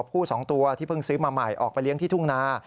ผู้สองตัวที่เพิ่งซื้อมาใหม่ออกไปเลี้ยงที่ทุ่งนา